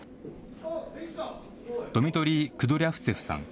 ドミトリー・クドリャフツェフさん。